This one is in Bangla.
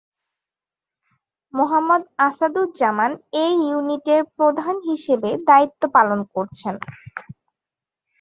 মোহাম্মদ আসাদুজ্জামান এ ইউনিটের প্রধান হিসেবে দায়িত্ব পালন করছেন।